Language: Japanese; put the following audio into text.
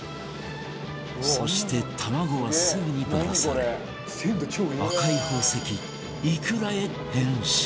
そして卵はすぐにバラされ赤い宝石イクラへ変身